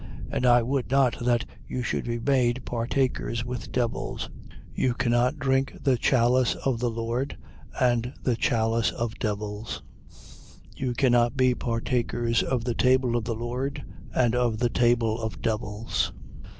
And I would not that you should be made partakers with devils. 10:21. You cannot drink the chalice of the Lord and the chalice of devils: you cannot be partakers of the table of the Lord and of the table of devils.